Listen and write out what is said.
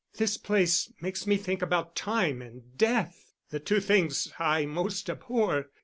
This place makes me think about Time and Death—the two things I most abhor.